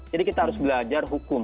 jadi kita harus belajar hukum